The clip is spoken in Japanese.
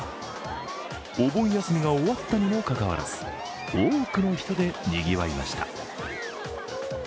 お盆休みが終わったにもかかわらず、多くの人でにぎわいました。